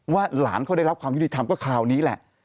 หลานเขาได้รับความยุติธรรมก็คราวนี้แหละ